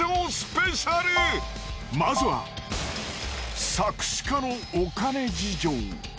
まずは作詞家のお金事情。